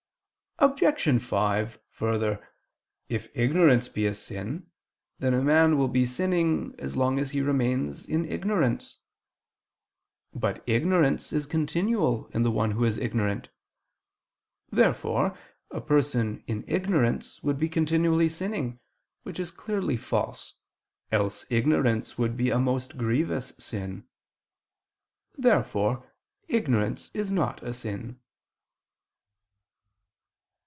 Obj. 5: Further, if ignorance be a sin, then a man will be sinning, as long as he remains in ignorance. But ignorance is continual in the one who is ignorant. Therefore a person in ignorance would be continually sinning, which is clearly false, else ignorance would be a most grievous sin. Therefore ignorance is not a sin.